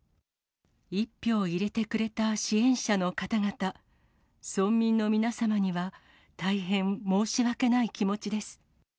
一票入れてくれた支援者の方々、村民の皆様には大変申し訳ない気持ちです。